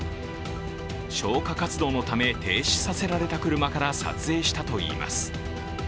消火活動のため停止させられた車から撮影したといいます。